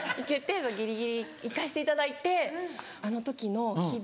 ギリギリ行かせていただいてあの時の日々。